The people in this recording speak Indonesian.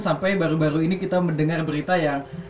sampai baru baru ini kita mendengar berita yang